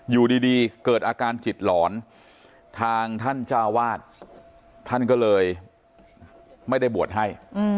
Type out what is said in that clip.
อยู่ดีเกิดอาการจิตหลอนทางท่านเจ้าวาดท่านก็เลยไม่ได้บวชให้